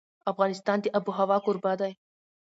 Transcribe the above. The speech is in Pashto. افغانستان د آب وهوا کوربه دی.